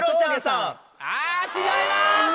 あ違います。